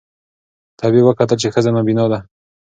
طبیب وکتل چي ښځه نابینا ده